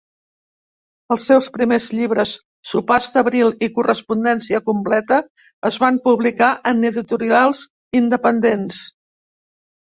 Els seus primers llibres, Sopars d'Abril i Correspondència Completa, es van publicar en editorials independents.